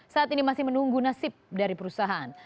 saat ini masih menunggu nasib dari perusahaan